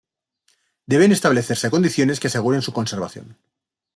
Deben establecerse condiciones que aseguren su conservación.